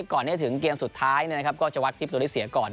ก่อนเนี่ยถึงเกมสุดท้ายเนี่ยนะครับก็จะวัดที่ตัวได้เสียก่อน